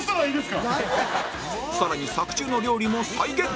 更に作中の料理も再現！